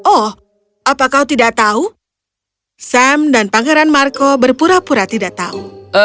oh apa kau tidak tahu sam dan pangeran marco berpura pura tidak tahu